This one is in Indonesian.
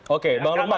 oke mbak lukman